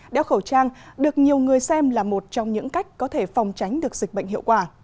đeo khẩu trang được nhiều người xem là một trong những cách có thể phòng tránh được dịch bệnh hiệu quả